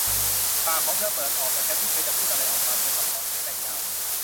ปากของเธอเปิดออก แต่แทนที่เธอจะพูดอะไรออกมา เธอกลับถอนหายใจยาว